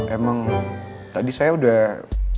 emang tadi saya udah